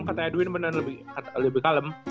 kata edwin beneran lebih kalem